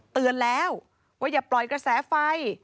เตือนแล้วว่าอย่าปล่อยกระแสไฟ